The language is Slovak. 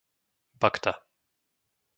Bakta